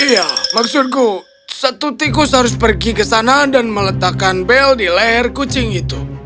iya maksudku satu tikus harus pergi ke sana dan meletakkan bel di leher kucing itu